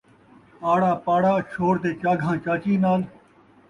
آڑا پاڑا چھوڑ تے چاگھاں چاچی نال